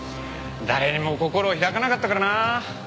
誰にも心を開かなかったからな。